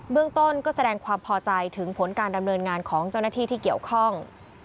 เรื่องต้นก็แสดงความพอใจถึงผลการดำเนินงานของเจ้าหน้าที่ที่เกี่ยวข้อง